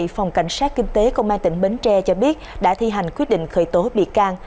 phòng cảnh sát kinh tế công an tỉnh bến tre cho biết đã thi hành quyết định khởi tố bị can